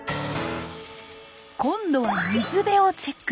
今度は水辺をチェック。